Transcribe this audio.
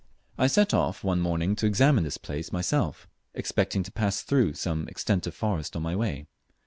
I set off one morning to examine this place myself, expecting to pass through some extent of forest on my way.